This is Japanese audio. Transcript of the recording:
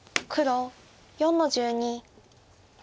黒４の十二。